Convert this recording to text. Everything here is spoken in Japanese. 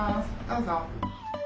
どうぞ。